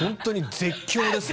絶叫ですよ。